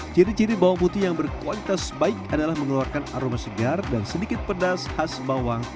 ciri ciri bawang putih yang berkualitas baik adalah mengeluarkan aroma segar dan sedikit pedas khas bawang